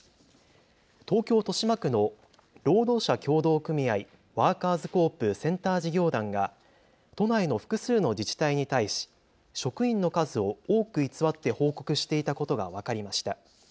東京豊島区の労働者協同組合ワーカーズコープ・センター事業団が都内の複数の自治体に対し職員の数を多く偽って報告していたことが分かりました。